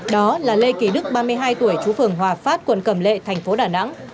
đó là lê kỳ đức ba mươi hai tuổi chú phường hòa phát quận cầm lệ thành phố đà nẵng